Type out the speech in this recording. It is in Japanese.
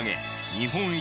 日本一